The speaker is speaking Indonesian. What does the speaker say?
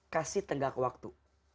kasih tenggang waktu